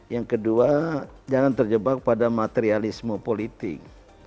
yang kedua jangan terjebak pada materialisme politik